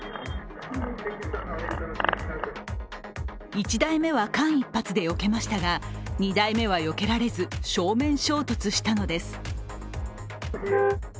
１台目は間一髪でよけましたが２台目はよけられず、正面衝突したのです。